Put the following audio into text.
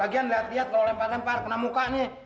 ya lagian lihat lihat kalau lempar lempar kena mukanya